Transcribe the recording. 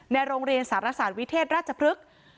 ในโรงเรียนสารสาธารณ์วิทเทศราชภภฤษฐฯ